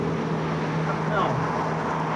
ผักเน่า